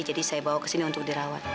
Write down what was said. jadi saya bawa kesini untuk dirawat